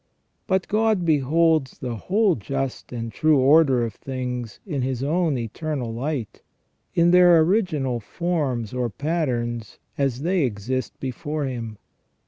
But God beholds the whole just and true order of things in His own eternal light, in their original forms or patterns as they exist before Him.